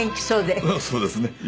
そうですね。